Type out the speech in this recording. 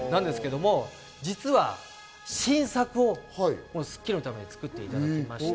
実は新作を『スッキリ』のために作っていただきました。